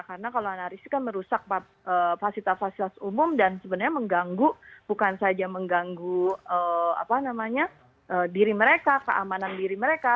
karena kalau anarkis itu kan merusak fasilitas fasilitas umum dan sebenarnya mengganggu bukan saja mengganggu apa namanya diri mereka keamanan diri mereka